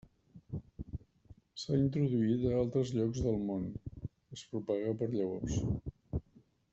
S'ha introduït a altres llocs del món, Es propaga per llavors.